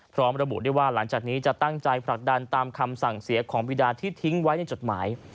พร้อมระบุได้ว่าหลังจากนี้จะตั้งใจผลักดันตามคำสั่งเสียของบีดาที่ทิ้งไว้ในจดหมาย